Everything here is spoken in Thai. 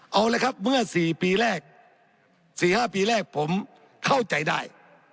เอาเลยครับเมื่อ๔ปีแรก๔๕ปีแรกผมเข้าใจได้